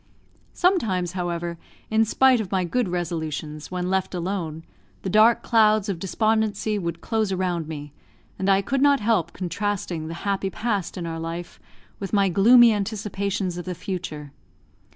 Sometimes, however, in spite of my good resolutions, when left alone, the dark clouds of despondency would close around me, and I could not help contrasting the happy past in our life with my gloomy anticipations of the future.